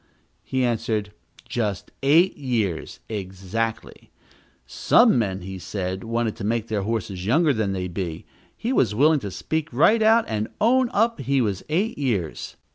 He answered, just eight years, exactly some men, he said, wanted to make their horses younger than they be; he was willing to speak right out, and own up he was eight years.